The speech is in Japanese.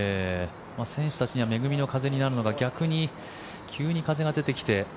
選手たちには恵みの風になるのか逆に急に風が出てきて。